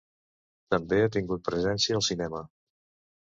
També ha tingut presència al cinema.